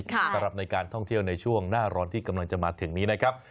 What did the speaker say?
สำหรับในการท่องเที่ยวในช่วงหน้าร้อนที่กำลังจะมาถึงนี้นะครับ